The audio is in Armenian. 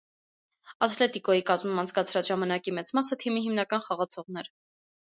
Աթլետիկոյի կազմում անցկացրած ժամանակի մեծ մասը թիմի հիմնական խաղացողն էր։